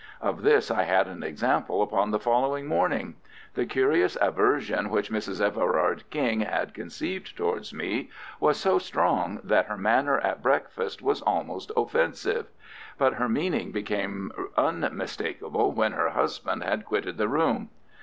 Of this I had an example upon the following morning. The curious aversion which Mrs. Everard King had conceived towards me was so strong, that her manner at breakfast was almost offensive. But her meaning became unmistakable when her husband had quitted the room.